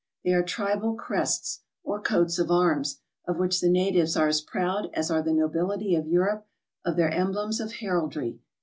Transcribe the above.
They are tribal crests or coats of arms, of which the natives are as proud as are the nobility of Europe of their emblems of heraldry.